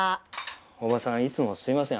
伯母さんいつもすいません。